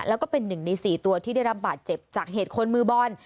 แล้วก็เป็น๑ใน๔ตัวที่ได้รับบาดเจ็บจากเหตุคนมือบอล